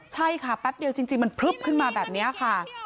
ใช่ค่ะแป๊บเดียวจริงมันพลึบขึ้นมาแบบนี้ค่ะ